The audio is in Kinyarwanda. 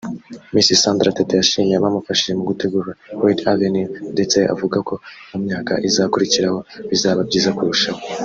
Miss Sandra Teta yashimiye abamufashije mu gutegura ‘Red Avenue’ ndetse avuga ko mu myaka izakurikiraho bizaba byiza kurushaho